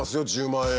１０万円。